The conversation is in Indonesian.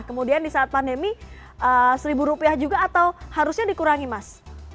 kemudian di saat pandemi seribu rupiah juga atau harusnya dikurangi mas